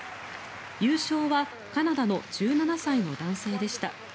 優勝はカナダの１７歳の男性でした。